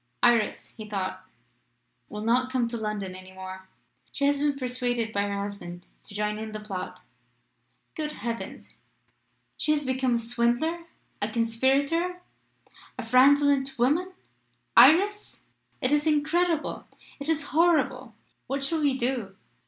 "Iris," he thought, "will not come to London any more. She has been persuaded by her husband to join in the plot. Good heavens! She has become a swindler a conspirator a fraudulent woman! Iris! it is incredible it is horrible! What shall we do?"